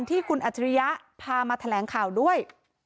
ที่คุณอัจฉริยะพามาแถลงข่าวด้วย